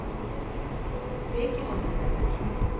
Peki hanımefendi.